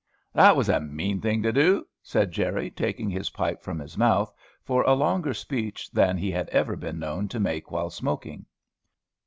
"That was a mean thing to do," said Jerry, taking his pipe from his mouth for a longer speech than he had ever been known to make while smoking.